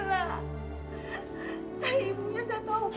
saya ibunya saya tahu pak